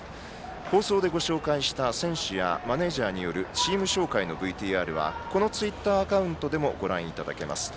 放送でご紹介した選手やマネージャーによるチーム紹介のＶＴＲはこのツイッターアカウントでもご覧いただけます。